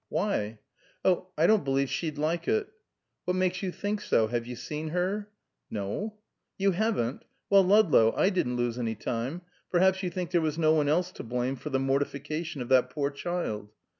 "Why?" "Oh I don't believe she'd like it." "What makes you think so? Have you seen her?" "No " "You haven't? Well, Ludlow, I didn't lose any time. Perhaps you think there was no one else to blame for the mortification of that poor child."